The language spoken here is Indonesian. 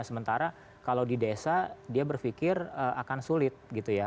sementara kalau di desa dia berpikir akan sulit gitu ya